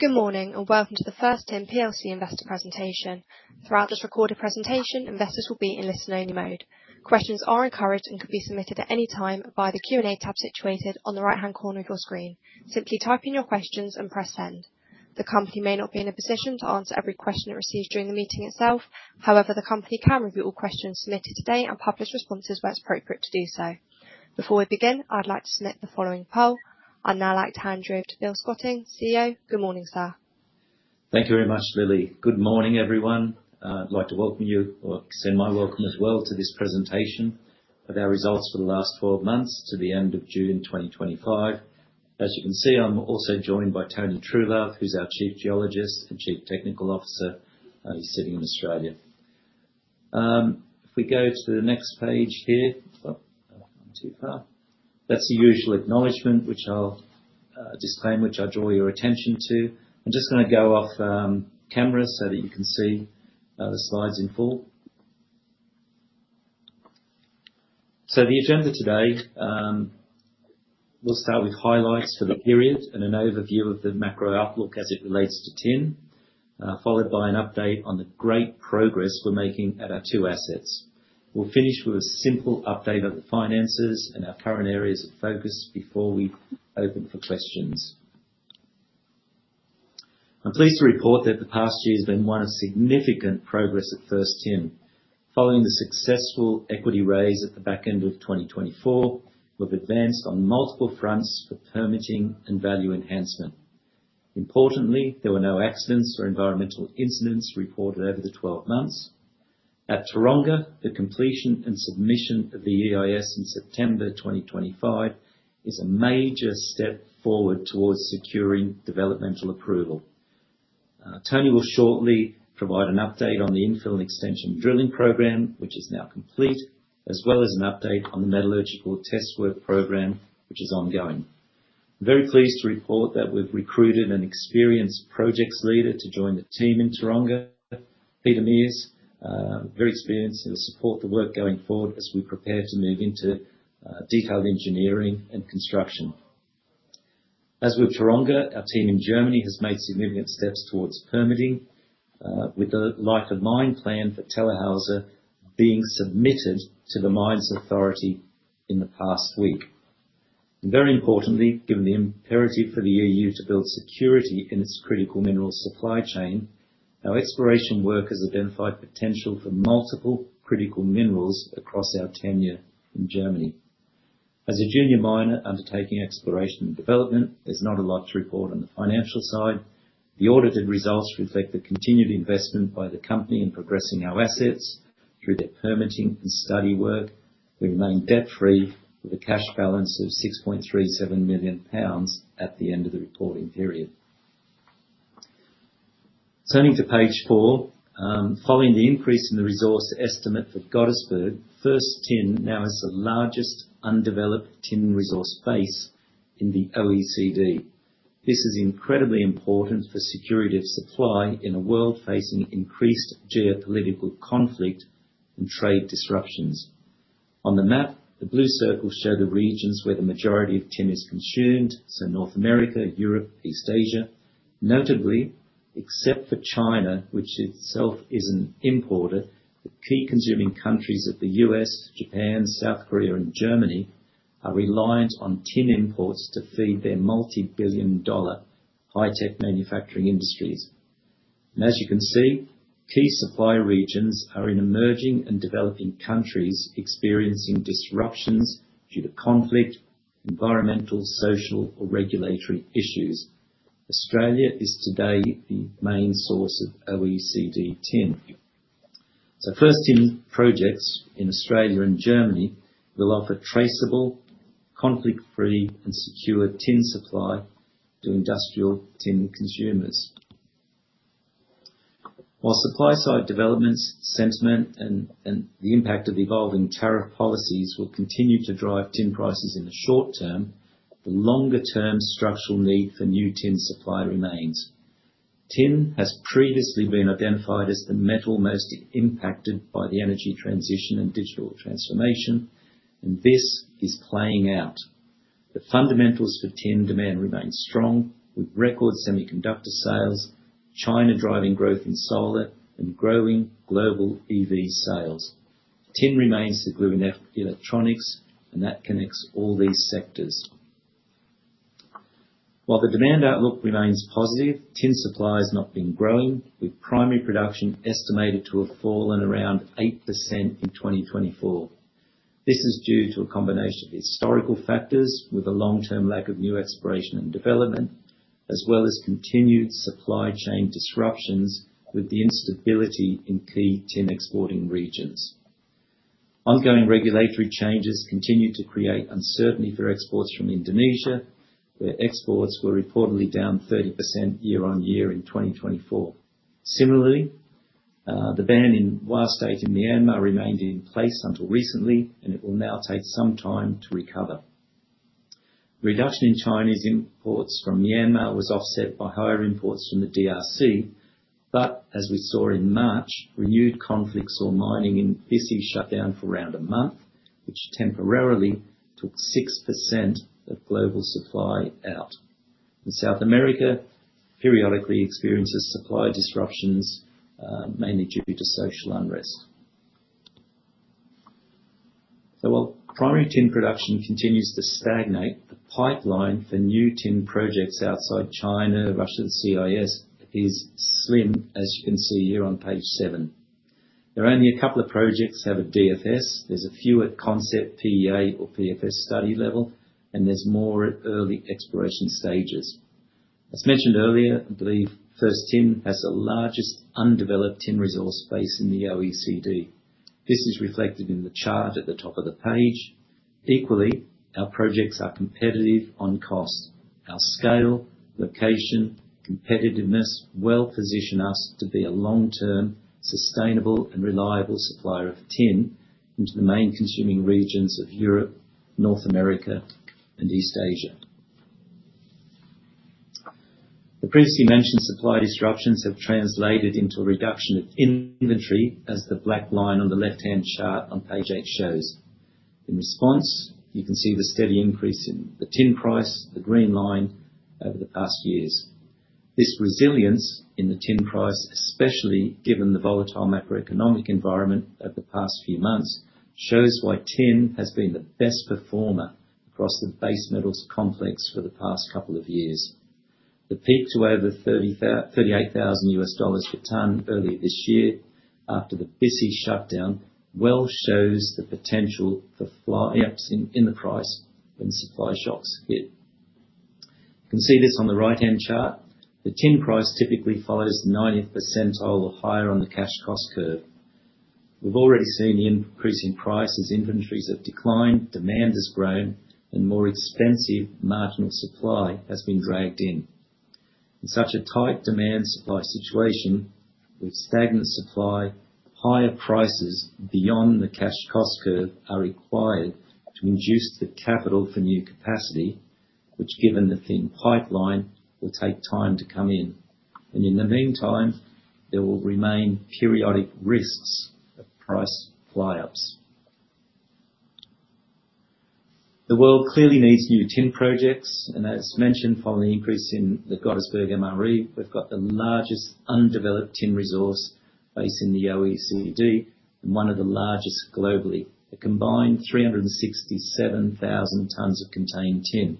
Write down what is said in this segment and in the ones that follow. Good morning, and welcome to the First Tin PLC Investor Presentation. Throughout this recorded presentation, investors will be in listen-only mode. Questions are encouraged and can be submitted at any time by the Q&A tab situated on the right-hand corner of your screen. Simply type in your questions and press Send. The company may not be in a position to answer every question it receives during the meeting itself. However, the company can review all questions submitted today and publish responses where it's appropriate to do so. Before we begin, I'd like to submit the following poll. I'd now like to hand you over to Bill Scotting, CEO. Good morning, sir. Thank you very much, Lily. Good morning, everyone. I'd like to welcome you or extend my welcome as well to this presentation of our results for the last twelve months to the end of June 2025. As you can see, I'm also joined by Tony Truelove, who's our Chief Geologist and Chief Technical Officer. He's sitting in Australia. If we go to the next page here. I've gone too far. That's the usual acknowledgment, which I draw your attention to. I'm just gonna go off camera so that you can see the slides in full. The agenda today, we'll start with highlights for the period and an overview of the macro outlook as it relates to tin, followed by an update on the great progress we're making at our two assets. We'll finish with a simple update of the finances and our current areas of focus before we open for questions. I'm pleased to report that the past year has been one of significant progress at First Tin. Following the successful equity raise at the back end of 2024, we've advanced on multiple fronts for permitting and value enhancement. Importantly, there were no accidents or environmental incidents reported over the 12 months. At Taronga, the completion and submission of the EIS in September 2025 is a major step forward towards securing developmental approval. Tony will shortly provide an update on the infill and extension drilling program, which is now complete, as well as an update on the metallurgical test work program, which is ongoing. I'm very pleased to report that we've recruited an experienced projects leader to join the team in Taronga. Peter Miers, very experienced, he'll support the work going forward as we prepare to move into detailed engineering and construction. As with Taronga, our team in Germany has made significant steps towards permitting, with the life of mine plan for Tellerhäuser being submitted to the mines authority in the past week. Very importantly, given the imperative for the EU to build security in its critical mineral supply chain, our exploration work has identified potential for multiple critical minerals across our tenure in Germany. As a junior miner undertaking exploration and development, there's not a lot to report on the financial side. The audited results reflect the continued investment by the company in progressing our assets through their permitting and study work. We remain debt-free with a cash balance of 6.37 million pounds at the end of the reporting period. Turning to page four, following the increase in the resource estimate for Gottesberg, First Tin now has the largest undeveloped tin resource base in the OECD. This is incredibly important for security of supply in a world facing increased geopolitical conflict and trade disruptions. On the map, the blue circles show the regions where the majority of tin is consumed, so North America, Europe, East Asia. Notably, except for China, which itself is an importer, the key consuming countries of the U.S., Japan, South Korea, and Germany are reliant on tin imports to feed their multi-billion dollar high-tech manufacturing industries. As you can see, key supply regions are in emerging and developing countries experiencing disruptions due to conflict, environmental, social, or regulatory issues. Australia is today the main source of OECD tin. First Tin projects in Australia and Germany will offer traceable, conflict-free, and secure tin supply to industrial tin consumers. While supply-side developments, sentiment, and the impact of evolving tariff policies will continue to drive tin prices in the short term, the longer-term structural need for new tin supply remains. Tin has previously been identified as the metal most impacted by the energy transition and digital transformation, and this is playing out. The fundamentals for tin demand remain strong with record semiconductor sales, China driving growth in solar and growing global EV sales. Tin remains the glue in electronics, and that connects all these sectors. While the demand outlook remains positive, tin supply has not been growing, with primary production estimated to have fallen around 8% in 2024. This is due to a combination of historical factors with a long-term lack of new exploration and development, as well as continued supply chain disruptions with the instability in key tin exporting regions. Ongoing regulatory changes continue to create uncertainty for exports from Indonesia, where exports were reportedly down 30% year-over-year in 2024. Similarly, the ban in Wa State in Myanmar remained in place until recently, and it will now take some time to recover. Reduction in Chinese imports from Myanmar was offset by higher imports from the DRC. As we saw in March, renewed conflicts or mining in Bisie shut down for around a month, which temporarily took 6% of global supply out. South America periodically experiences supply disruptions, mainly due to social unrest. While primary tin production continues to stagnate, the pipeline for new tin projects outside China, Russia and CIS is slim, as you can see here on page seven. There are only a couple of projects that have a DFS. There's a few at concept PEA or PFS study level, and there's more at early exploration stages. As mentioned earlier, I believe First Tin has the largest undeveloped tin resource base in the OECD. This is reflected in the chart at the top of the page. Equally, our projects are competitive on cost. Our scale, location, competitiveness, well positions us to be a long-term, sustainable and reliable supplier of tin into the main consuming regions of Europe, North America and East Asia. The previously mentioned supply disruptions have translated into a reduction of inventory as the black line on the left-hand chart on page 8 shows. In response, you can see the steady increase in the tin price, the green line, over the past years. This resilience in the tin price, especially given the volatile macroeconomic environment of the past few months, shows why tin has been the best performer across the base metals complex for the past couple of years. The peaks were over $38,000 per ton early this year after the Bisie shutdown, which shows the potential for fly-ups in the price when supply shocks hit. You can see this on the right-hand chart. The tin price typically follows the ninetieth percentile or higher on the cash cost curve. We've already seen the increase in price as inventories have declined, demand has grown, and more expensive marginal supply has been dragged in. In such a tight demand supply situation with stagnant supply, higher prices beyond the cash cost curve are required to induce the capital for new capacity, which given the thin pipeline, will take time to come in. In the meantime, there will remain periodic risks of price fly ups. The world clearly needs new tin projects, and as mentioned, following the increase in the Gottesberg MRE, we've got the largest undeveloped tin resource base in the OECD and one of the largest globally. A combined 367,000 tons of contained tin.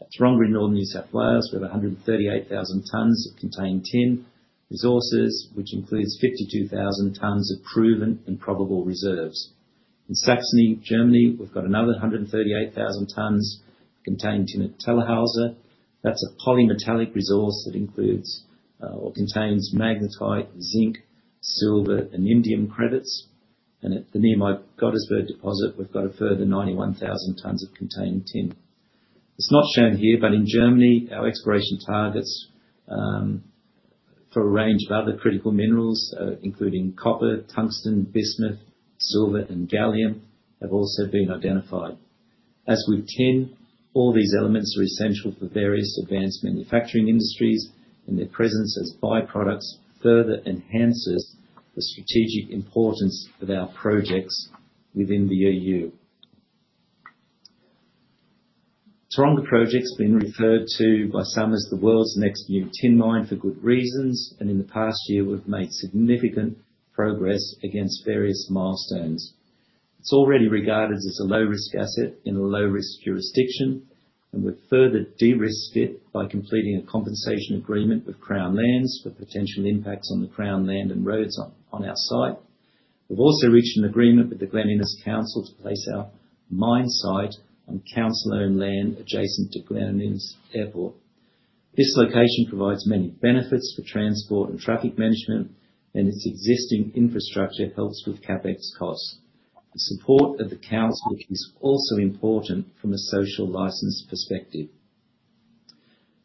At Taronga in Northern New South Wales, we have a 138,000 tons of contained tin resources, which includes 52,000 tons of proven and probable reserves. In Saxony, Germany, we've got another 138,000 tons of contained tin at Tellerhäuser. That's a polymetallic resource that includes or contains magnetite, zinc, silver and indium credits. At the nearby Gottesberg deposit, we've got a further 91,000 tons of contained tin. It's not shown here, but in Germany, our exploration targets for a range of other critical minerals including copper, tungsten, bismuth, silver and gallium have also been identified. As with tin, all these elements are essential for various advanced manufacturing industries, and their presence as byproducts further enhances the strategic importance of our projects within the EU. Taronga project's been referred to by some as the world's next new tin mine for good reasons, and in the past year, we've made significant progress against various milestones. It's already regarded as a low-risk asset in a low-risk jurisdiction, and we've further de-risked it by completing a compensation agreement with Crown Lands for potential impacts on the Crown land and roads on our site. We've also reached an agreement with the Glen Innes Council to place our mine site on council-owned land adjacent to Glen Innes Airport. This location provides many benefits for transport and traffic management, and its existing infrastructure helps with CapEx costs. The support of the council is also important from a social license perspective.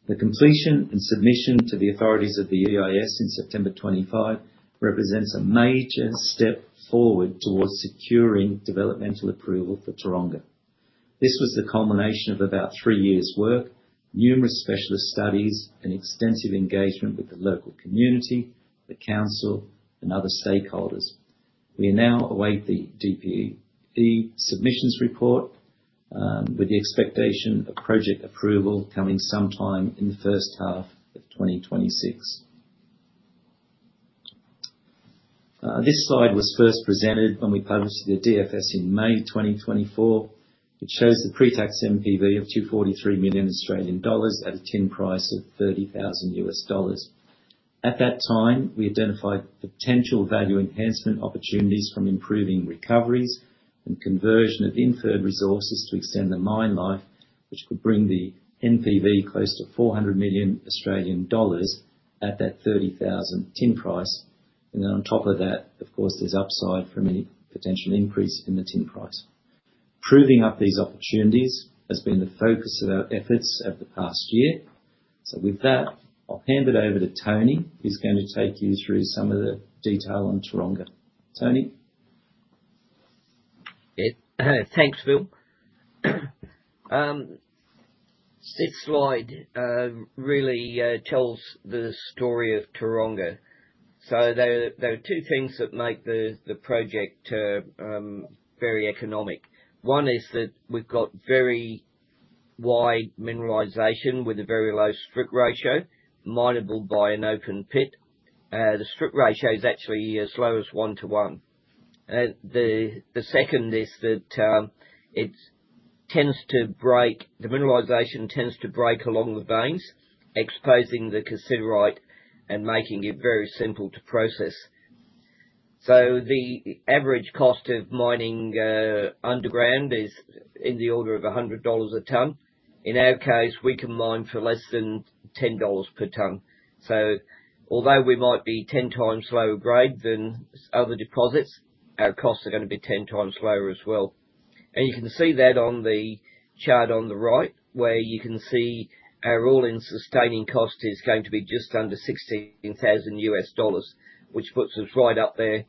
The completion and submission to the authorities of the EIS in September 2025 represents a major step forward towards securing developmental approval for Taronga. This was the culmination of about three years work, numerous specialist studies and extensive engagement with the local community, the council and other stakeholders. We now await the DPE submissions report, with the expectation of project approval coming sometime in the first half of 2026. This slide was first presented when we published the DFS in May 2024. It shows the pre-tax NPV of 243 million Australian dollars at a tin price of $30,000. At that time, we identified potential value enhancement opportunities from improving recoveries and conversion of inferred resources to extend the mine life, which could bring the NPV close to 400 million Australian dollars at that $30,000 tin price. On top of that, of course, there's upside from any potential increase in the tin price. Proving up these opportunities has been the focus of our efforts over the past year. With that, I'll hand it over to Tony, who's gonna take you through some of the detail on Taronga. Tony? Yeah. Thanks, Bill Scotting. Sixth slide really tells the story of Taronga. There are two things that make the project very economic. One is that we've got very wide mineralization with a very low strip ratio, mineable by an open pit. The strip ratio is actually as low as 1-to-1. The second is that the mineralization tends to break along the veins, exposing the cassiterite and making it very simple to process. The average cost of mining underground is in the order of 100 dollars a ton. In our case, we can mine for less than 10 dollars per ton. Although we might be 10 times lower grade than other deposits, our costs are gonna be 10 times lower as well. You can see that on the chart on the right, where you can see our all-in sustaining cost is going to be just under $16,000, which puts us right up there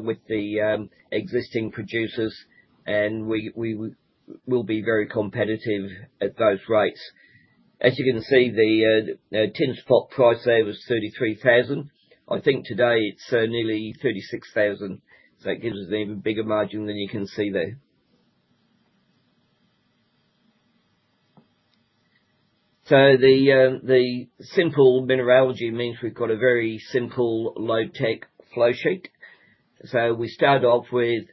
with the existing producers, and we'll be very competitive at those rates. As you can see, the tin spot price there was $33,000. I think today it's nearly $36,000, so it gives us an even bigger margin than you can see there. The simple mineralogy means we've got a very simple low-tech flow sheet. We start off with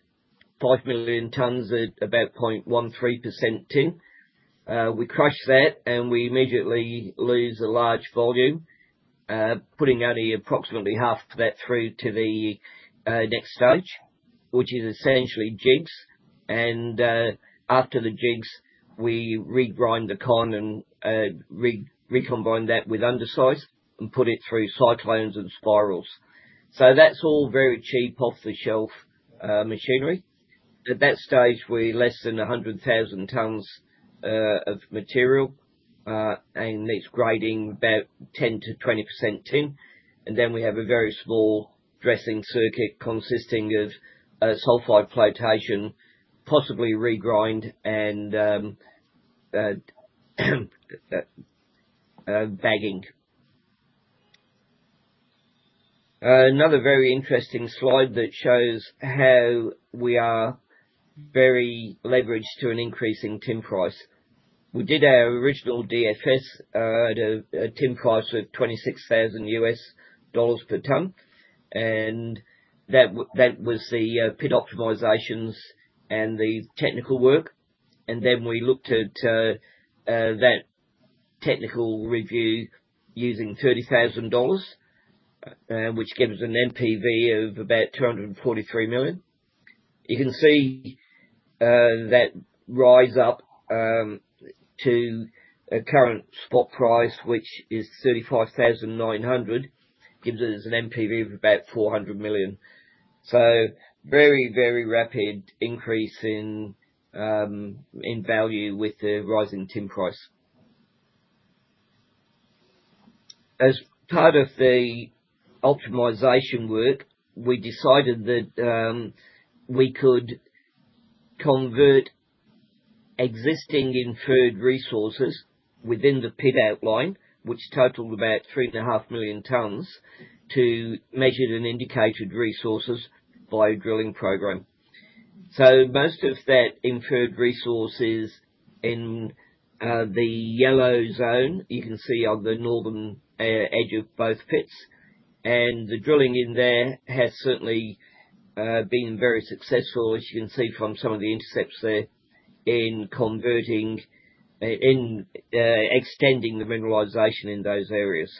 5 million tons at about 0.13% tin. We crush that, and we immediately lose a large volume, putting only approximately half of that through to the next stage, which is essentially jigs. After the jigs, we regrind the con and recombine that with undersize and put it through cyclones and spirals. That's all very cheap off-the-shelf machinery. At that stage, we're less than 100,000 tons of material, and it's grading about 10%-20% tin. Then we have a very small dressing circuit consisting of a sulfide flotation, possibly regrind and bagging. Another very interesting slide that shows how we are very leveraged to an increase in tin price. We did our original DFS at a tin price of $26,000 US dollars per ton. That was the pit optimizations and the technical work. Then we looked at that technical review using $30,000, which gives an NPV of about 243 million. You can see that rise up to a current spot price which is $35,900, gives us an NPV of about £400 million. Very, very rapid increase in value with the rise in tin price. As part of the optimization work, we decided that we could convert existing inferred resources within the pit outline, which totaled about 3.5 million tons to measured and indicated resources by a drilling program. Most of that inferred resource is in the yellow zone you can see on the northern edge of both pits. The drilling in there has certainly been very successful, as you can see from some of the intercepts there in converting, in extending the mineralization in those areas.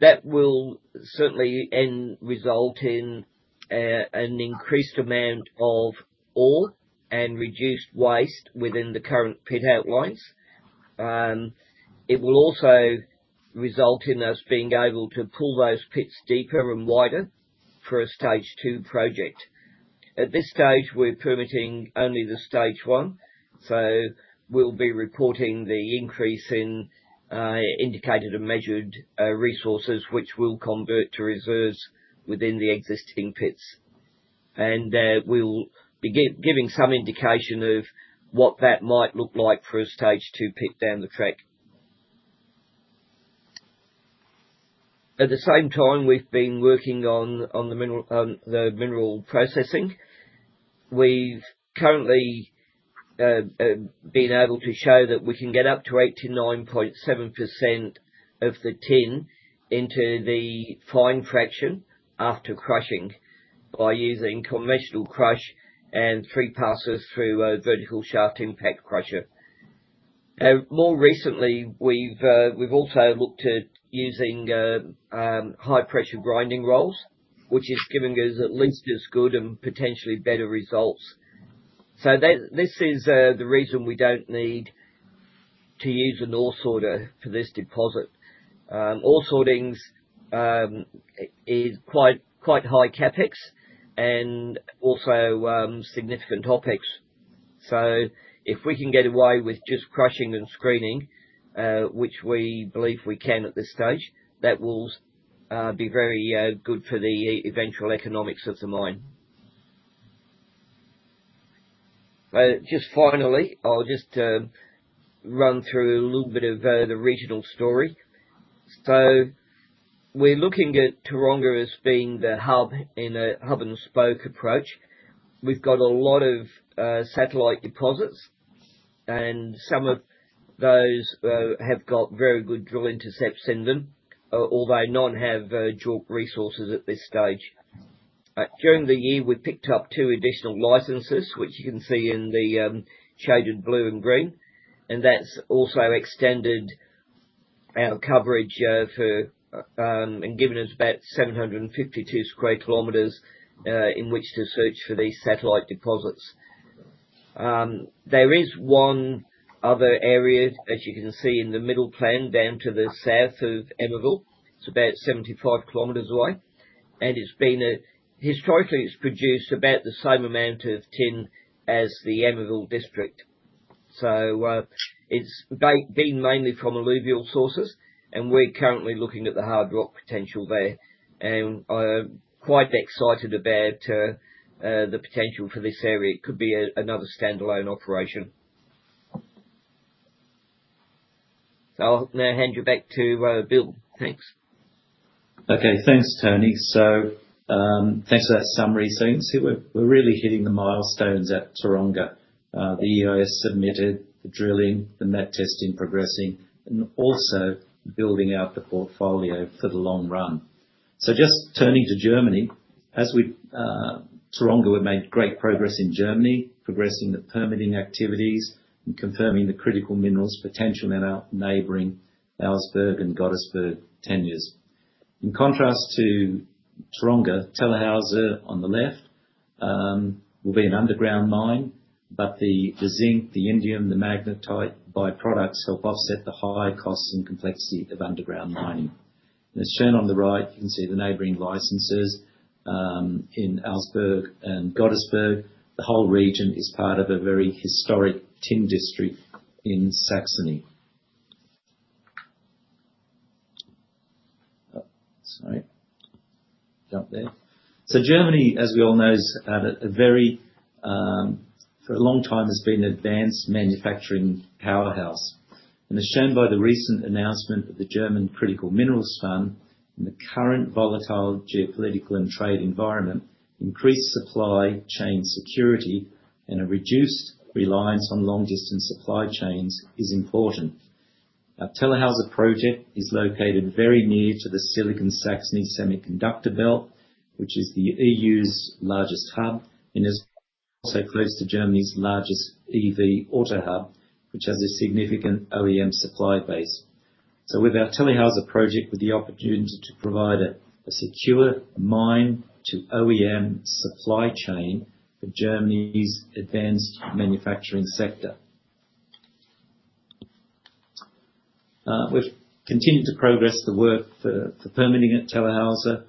That will certainly end result in an increased amount of ore and reduced waste within the current pit outlines. It will also result in us being able to pull those pits deeper and wider for a stage two project. At this stage, we're permitting only the stage one, so we'll be reporting the increase in indicated and measured resources which will convert to reserves within the existing pits. We'll be giving some indication of what that might look like for a stage two pit down the track. At the same time, we've been working on the mineral processing. We've currently been able to show that we can get up to 89.7% of the tin into the fine fraction after crushing by using conventional crush and 3 passes through a vertical shaft impact crusher. More recently, we've also looked at using high-pressure grinding rolls, which is giving us at least as good and potentially better results. This is the reason we don't need to use an ore sorter for this deposit. Ore sorting's quite high CapEx and also significant OpEx. If we can get away with just crushing and screening, which we believe we can at this stage, that will be very good for the eventual economics of the mine. Just finally, I'll just run through a little bit of the regional story. We're looking at Taronga as being the hub in a hub-and-spoke approach. We've got a lot of satellite deposits, and some of those have got very good drill intercepts in them, although none have drilled resources at this stage. During the year, we picked up 2 additional licenses, which you can see in the shaded blue and green, and that's also extended our coverage and given us about 752 sq km in which to search for these satellite deposits. There is one other area, as you can see in the middle plan, down to the south of Emmaville. It's about 75 km away, and it's been historically, it's produced about the same amount of tin as the Emmaville District. It's been mainly from alluvial sources, and we're currently looking at the hard rock potential there. I'm quite excited about the potential for this area. It could be another standalone operation. I'll now hand you back to Bill. Thanks. Okay. Thanks, Tony. Thanks for that summary. You can see we're really hitting the milestones at Taronga. The EIS submitted, the drilling, the met testing progressing, and also building out the portfolio for the long run. Just turning to Germany, Taronga have made great progress in Germany, progressing the permitting activities and confirming the critical minerals potential in our neighboring Auersberg and Gottesberg tenures. In contrast to Taronga, Tellerhäuser on the left will be an underground mine, but the zinc, the indium, the magnetite byproducts help offset the high costs and complexity of underground mining. As shown on the right, you can see the neighboring licenses in Auersberg and Gottesberg. The whole region is part of a very historic tin district in Saxony. Sorry. Jump there. Germany, as we all know, for a long time has been an advanced manufacturing powerhouse. As shown by the recent announcement of the German Raw Material Fund, in the current volatile geopolitical and trade environment, increased supply chain security and a reduced reliance on long-distance supply chains is important. Our Tellerhäuser project is located very near to the Silicon Saxony semiconductor belt, which is the EU's largest hub and is also close to Germany's largest EV auto hub, which has a significant OEM supply base. With our Tellerhäuser project, with the opportunity to provide a secure mine to OEM supply chain for Germany's advanced manufacturing sector. We've continued to progress the work for permitting at Tellerhäuser,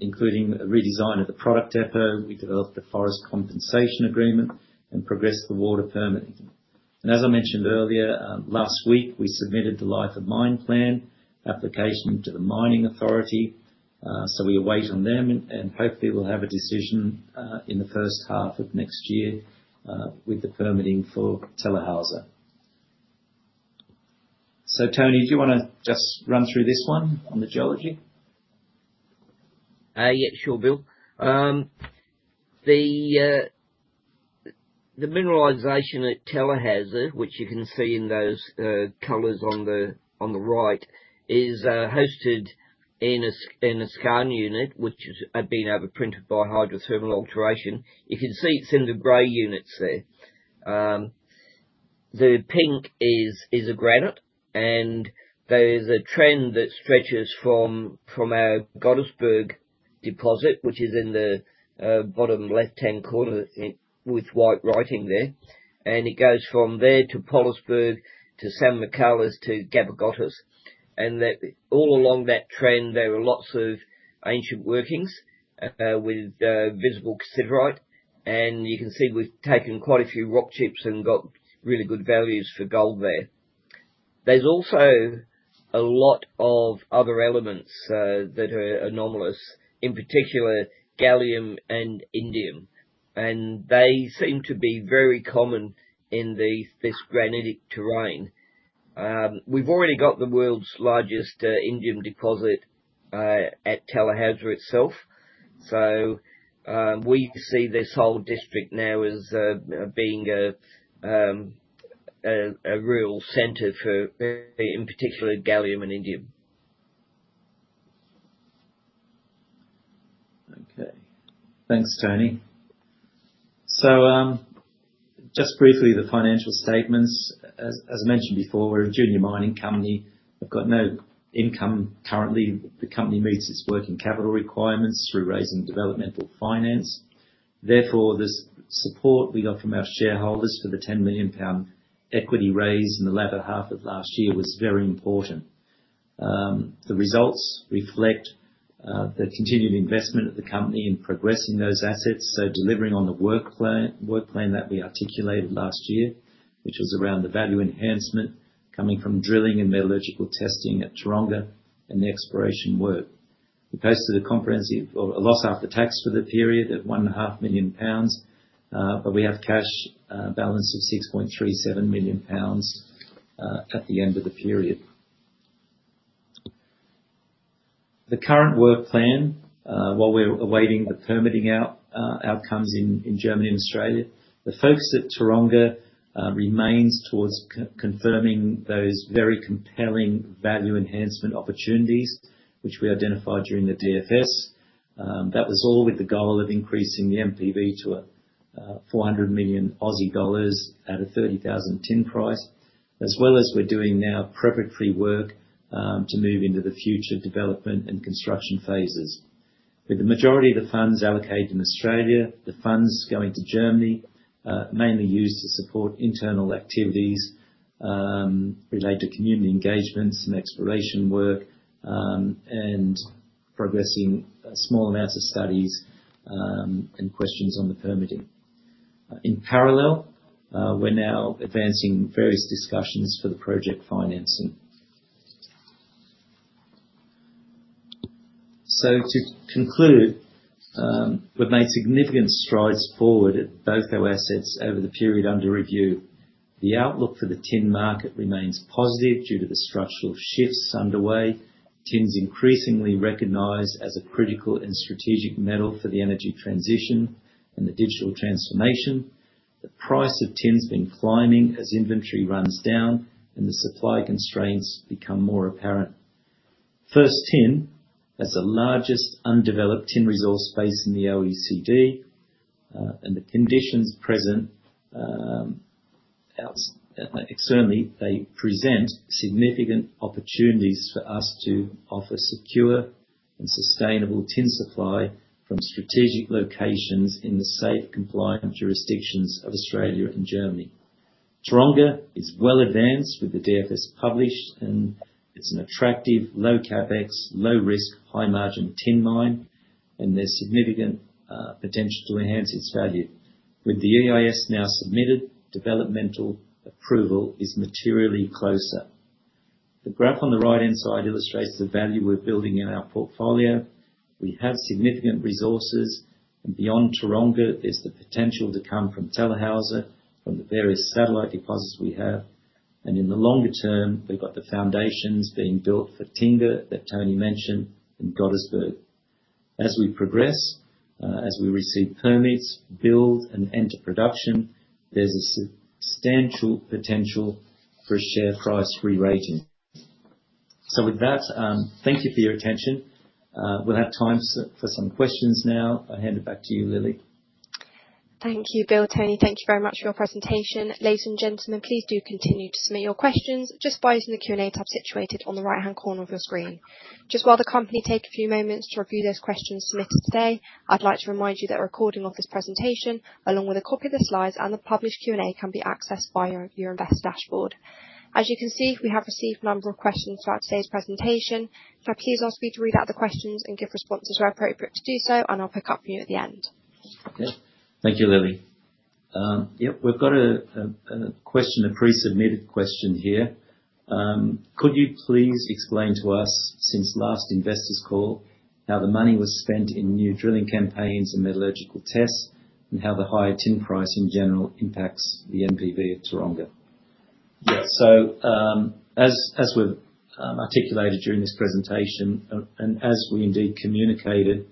including a redesign of the product depot. We developed a forest compensation agreement and progressed the water permitting. As I mentioned earlier, last week, we submitted the life of mine plan application to the mining authority. We await on them, and hopefully we'll have a decision in the first half of next year with the permitting for Tellerhäuser. Tony, do you wanna just run through this one on the geology? Yeah, sure, Bill. The mineralization at Tellerhäuser, which you can see in those colors on the right, is hosted in a skarn unit, which has been overprinted by hydrothermal alteration. You can see it's in the gray units there. The pink is a granite, and there's a trend that stretches from our Gottesberg deposit, which is in the bottom left-hand corner with white writing there. It goes from there to Ploessberg, to St. Michaelis, to Gabe Gottes. All along that trend, there are lots of ancient workings with visible cassiterite. You can see we've taken quite a few rock chips and got really good values for gold there. There's also a lot of other elements that are anomalous, in particular gallium and indium, and they seem to be very common in this granitic terrain. We've already got the world's largest indium deposit at Tellerhäuser itself. We see this whole district now as being a real center for, in particular, gallium and indium. Okay. Thanks, Tony. Just briefly, the financial statements. As mentioned before, we're a junior mining company. We've got no income currently. The company meets its working capital requirements through raising developmental finance. Therefore, the support we got from our shareholders for the 10 million pound equity raise in the latter half of last year was very important. The results reflect the continued investment of the company in progressing those assets, so delivering on the work plan that we articulated last year, which was around the value enhancement coming from drilling and metallurgical testing at Taronga and the exploration work. We posted a comprehensive loss after tax for the period at 1.5 million pounds. We have cash balance of 6.37 million pounds at the end of the period. The current work plan, while we're awaiting the permitting outcomes in Germany and Australia, the focus at Taronga remains towards confirming those very compelling value enhancement opportunities which we identified during the DFS. That was all with the goal of increasing the NPV to 400 million Aussie dollars at a $30,000 tin price. As well as we're doing now preparatory work to move into the future development and construction phases. With the majority of the funds allocated in Australia, the funds going to Germany mainly used to support internal activities related to community engagements and exploration work, and progressing small amounts of studies and questions on the permitting. In parallel, we're now advancing various discussions for the project financing. To conclude, we've made significant strides forward at both our assets over the period under review. The outlook for the tin market remains positive due to the structural shifts underway. Tin's increasingly recognized as a critical and strategic metal for the energy transition and the digital transformation. The price of tin's been climbing as inventory runs down and the supply constraints become more apparent. First Tin has the largest undeveloped tin resource base in the OECD, and the conditions present externally, they present significant opportunities for us to offer secure and sustainable tin supply from strategic locations in the safe, compliant jurisdictions of Australia and Germany. Taronga is well advanced with the DFS published, and it's an attractive, low CapEx, low risk, high margin tin mine, and there's significant potential to enhance its value. With the EIS now submitted, developmental approval is materially closer. The graph on the right-hand side illustrates the value we're building in our portfolio. We have significant resources, and beyond Taronga, there's the potential to come from Tellerhäuser, from the various satellite deposits we have. In the longer term, we've got the foundations being built for Tingha that Tony mentioned in Gottesberg. As we progress, as we receive permits, build and enter production, there's a substantial potential for a share price rerating. With that, thank you for your attention. We'll have time for some questions now. I'll hand it back to you, Lily. Thank you, Bill. Tony, thank you very much for your presentation. Ladies and gentlemen, please do continue to submit your questions just by using the Q&A tab situated on the right-hand corner of your screen. Just while the company take a few moments to review those questions submitted today, I'd like to remind you that a recording of this presentation, along with a copy of the slides and the published Q&A, can be accessed via your investor dashboard. As you can see, we have received a number of questions throughout today's presentation. Please ask me to read out the questions and give responses where appropriate to do so, and I'll pick up from you at the end. Okay. Thank you, Lily. Yep, we've got a question, a pre-submitted question here. Could you please explain to us, since last investors call, how the money was spent in new drilling campaigns and metallurgical tests and how the higher tin price in general impacts the NPV of Taronga? Yeah. As we've articulated during this presentation, and as we indeed communicated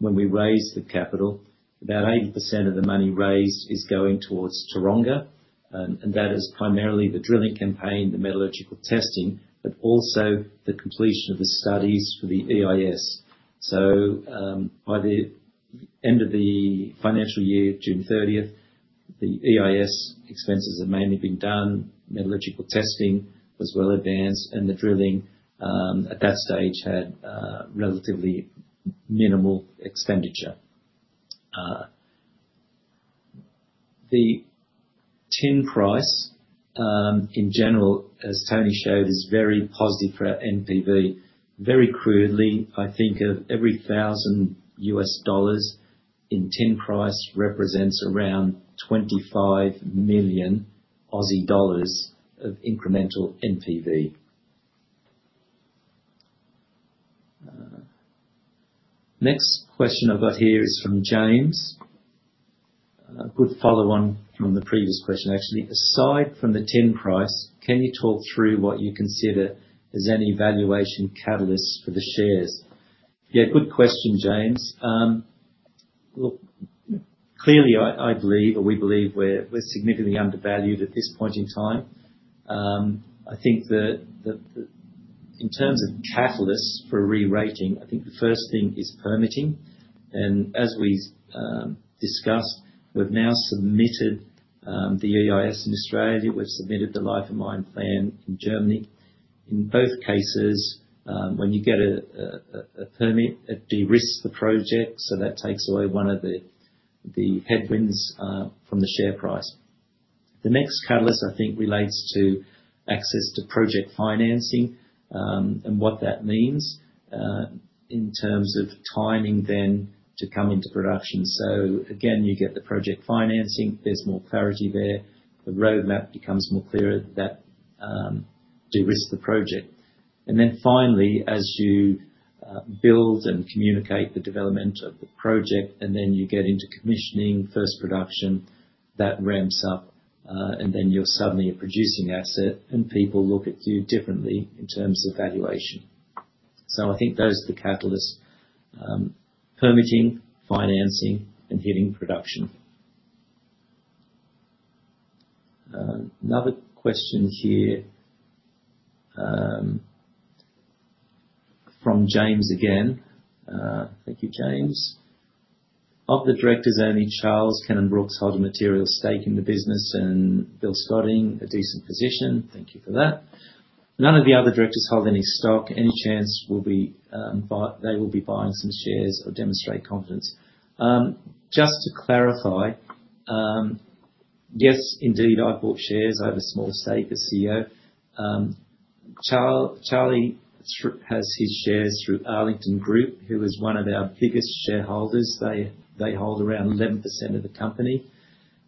when we raised the capital, about 80% of the money raised is going towards Taronga. That is primarily the drilling campaign, the metallurgical testing, but also the completion of the studies for the EIS. By the end of the financial year, June thirtieth, the EIS expenses have mainly been done, metallurgical testing was well advanced, and the drilling at that stage had relatively minimal expenditure. The tin price, in general, as Tony showed, is very positive for our NPV. Very crudely, I think of every $1,000 in tin price represents around 25 million Aussie dollars of incremental NPV. Next question I've got here is from James. A good follow on from the previous question, actually. Aside from the tin price, can you talk through what you consider as any valuation catalysts for the shares? Yeah, good question, James. Look, clearly, I believe, or we believe we're significantly undervalued at this point in time. I think that in terms of catalysts for rerating, I think the first thing is permitting. As we discussed, we've now submitted the EIS in Australia. We've submitted the life of mine plan in Germany. In both cases, when you get a permit, it de-risks the project, so that takes away one of the headwinds from the share price. The next catalyst, I think, relates to access to project financing, and what that means in terms of timing then to come into production. You get the project financing. There's more clarity there. The roadmap becomes more clearer that de-risk the project. Finally, as you build and communicate the development of the project, and then you get into commissioning first production, that ramps up, and then you're suddenly a producing asset and people look at you differently in terms of valuation. I think those are the catalysts, permitting, financing, and hitting production. Another question here from James again. Thank you, James. Of the directors, only Charles Cannon-Brookes hold a material stake in the business and Bill Scotting, a decent position. Thank you for that. None of the other directors hold any stock. Any chance we'll be, they will be buying some shares or demonstrate confidence? Just to clarify, yes, indeed, I've bought shares. I have a small stake as CEO. Charlie has his shares through Arlington Group, who is one of our biggest shareholders. They hold around 11% of the company.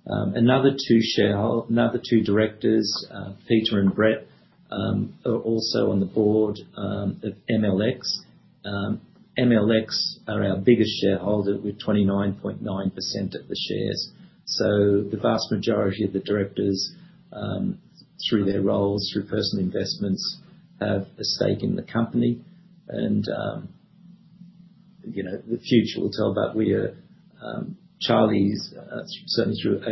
Another two directors, Peter and Brett, are also on the board, at MLX. MLX are our biggest shareholder with 29.9% of the shares. The vast majority of the directors, through their roles, through personal investments, have a stake in the company. You know, the future will tell that we are Charles, certainly through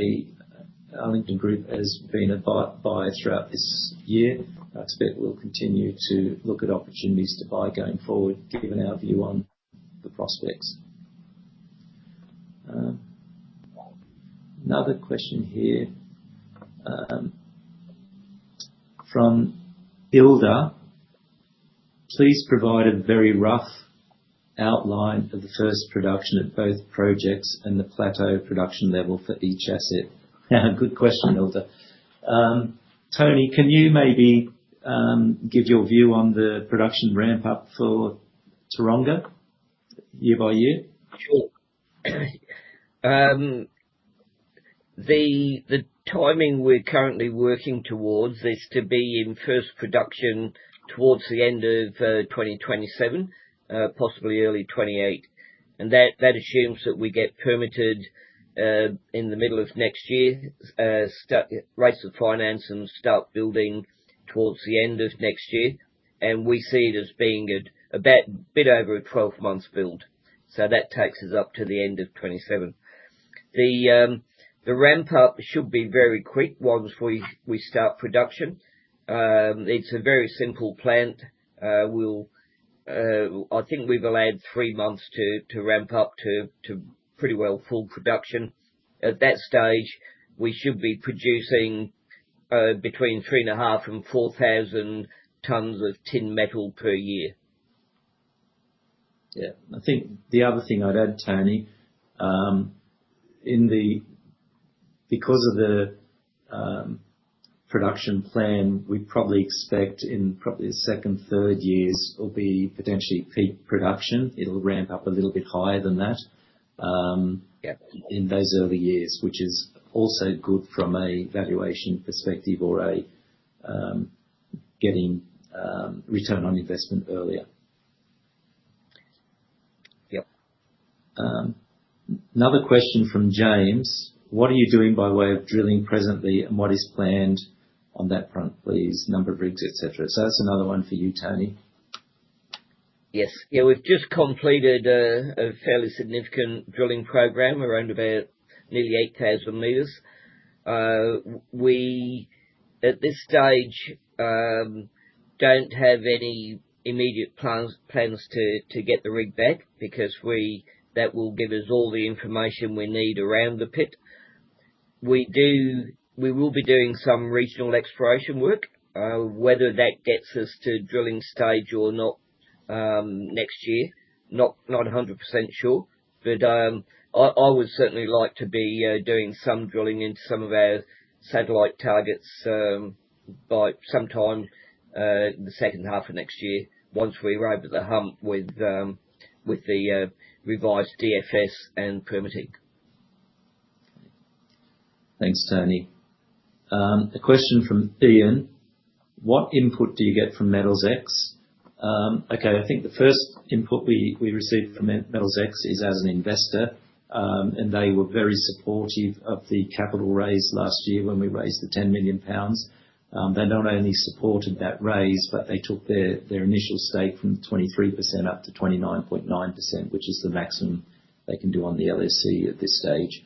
Arlington Group, has been a buyer throughout this year. I expect we'll continue to look at opportunities to buy going forward, given our view on the prospects. Another question here from Hilda. Please provide a very rough outline for the first production of both projects and the plateau production level for each asset. Good question, Hilda. Tony, can you maybe give your view on the production ramp up for Taronga year by year? Sure. The timing we're currently working towards is to be in first production towards the end of 2027, possibly early 2028. That assumes that we get permitted in the middle of next year, raise the finance and start building towards the end of next year. We see it as being a bit over a 12 months build. That takes us up to the end of 2027. The ramp up should be very quick once we start production. It's a very simple plant. I think we've allowed 3 months to ramp up to pretty well full production. At that stage, we should be producing between 3.5 and 4,000 tons of tin metal per year. Yeah. I think the other thing I'd add, Tony, because of the production plan, we probably expect in the second, third years will be potentially peak production. It'll ramp up a little bit higher than that. Yeah. In those early years, which is also good from a valuation perspective or getting return on investment earlier. Yeah. Another question from James. What are you doing by way of drilling presently, and what is planned on that front, please? Number of rigs, etc. That's another one for you, Tony. Yes. Yeah, we've just completed a fairly significant drilling program, around about nearly 8,000 meters. We, at this stage, don't have any immediate plans to get the rig back because that will give us all the information we need around the pit. We will be doing some regional exploration work, whether that gets us to drilling stage or not, next year, not 100% sure. But I would certainly like to be doing some drilling into some of our satellite targets, by sometime the second half of next year, once we arrive at the hump with the revised DFS and permitting. Thanks, Tony. A question from Ian. What input do you get from Metals X? I think the first input we received from Metals X is as an investor, and they were very supportive of the capital raise last year when we raised 10 million pounds. They not only supported that raise, but they took their initial stake from 23% up to 29.9%, which is the maximum they can do on the LSE at this stage.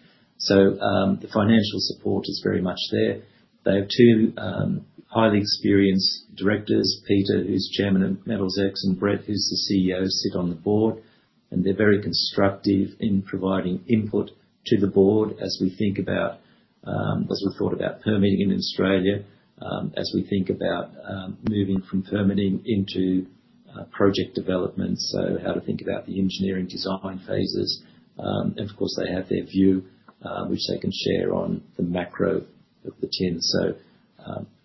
The financial support is very much there. They have two highly experienced directors, Peter, who's chairman of Metals X, and Brett, who's the CEO, sit on the board, and they're very constructive in providing input to the board as we think about, as we thought about permitting in Australia, as we think about, moving from permitting into project development. How to think about the engineering design phases. And of course they have their view, which they can share on the macro of the tin.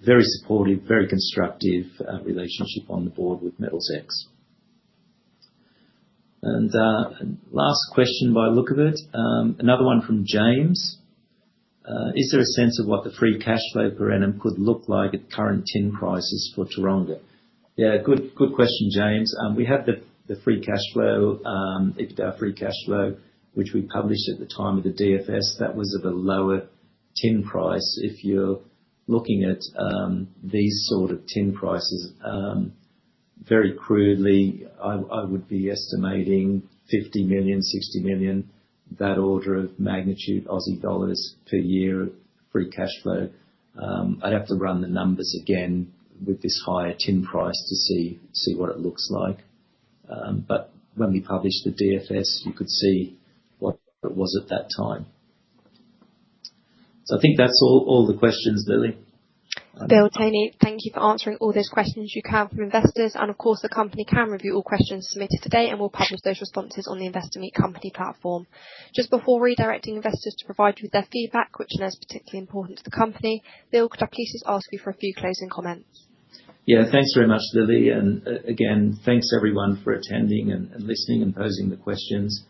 Very supportive, very constructive relationship on the board with Metals X. Last question by the look of it. Another one from James. "Is there a sense of what the free cash flow per annum could look like at current tin prices for Taronga?" Yeah, good question, James. We have the free cash flow, EBITDA free cash flow, which we published at the time of the DFS. That was of a lower tin price. If you're looking at these sort of tin prices, very crudely I would be estimating 50 million, 60 million, that order of magnitude per year of free cash flow. I'd have to run the numbers again with this higher tin price to see what it looks like. But when we published the DFS, you could see what it was at that time. I think that's all the questions, Lily. Bill, Tony, thank you for answering all those questions you can from investors. Of course, the company can review all questions submitted today, and we'll publish those responses on the Investor Meet Company platform. Just before redirecting investors to provide with their feedback, which I know is particularly important to the company, Bill, could I please just ask you for a few closing comments? Yeah. Thanks very much, Lily. Again, thanks everyone for attending and listening and posing the questions.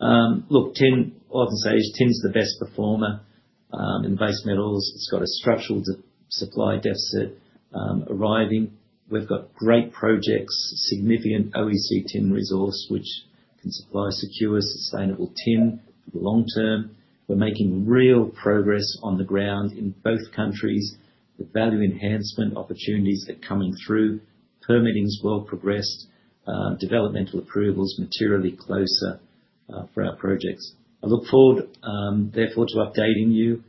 Look, tin, I often say tin's the best performer in base metals. It's got a structural supply deficit arriving. We've got great projects, significant JORC tin resource, which can supply secure, sustainable tin for the long term. We're making real progress on the ground in both countries. The value enhancement opportunities are coming through. Permitting is well progressed. Development approval is materially closer for our projects. I look forward, therefore, to updating you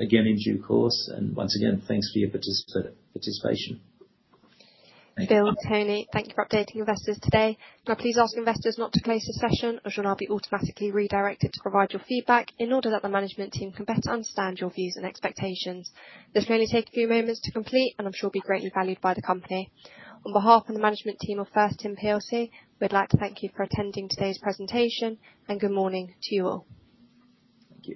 again in due course. Once again, thanks for your participation. Thank you. Bill, Tony, thank you for updating investors today. Can I please ask investors not to close this session, as you'll now be automatically redirected to provide your feedback in order that the management team can better understand your views and expectations. This will only take a few moments to complete and I'm sure be greatly valued by the company. On behalf of the management team of First Tin PLC, we'd like to thank you for attending today's presentation, and good morning to you all.